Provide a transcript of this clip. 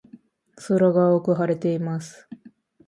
空が青く晴れています。